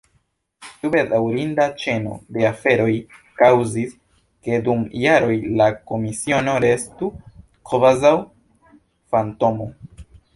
Tiu bedaŭrinda ĉeno de aferoj kaŭzis, ke dum jaroj la Komisiono restu kvazaŭ fantomo.